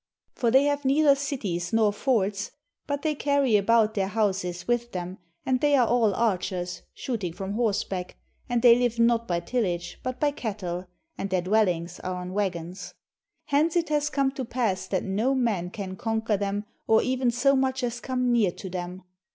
For they have neither cities nor forts, but they carry about their houses with them, and they are all archers, shooting from horseback, and they hve not by tillage, but by cattle, and their dwellings are on wagons. Hence it has come to pass that no man can conquer them, or even so much as come near to them.